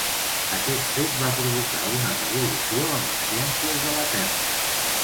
Aquest fet va provocar una revolució en les Ciències de la Terra.